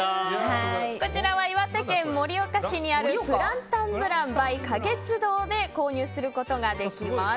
こちらは岩手県盛岡市にあるプランタンブランｂｙ花月堂で購入することができます。